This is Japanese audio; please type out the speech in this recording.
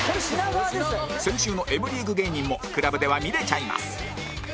先週の Ｍ リーグ芸人も ＣＬＵＢ では見れちゃいます